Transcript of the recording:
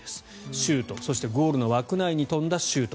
シュートゴールの枠内に飛んだシュート。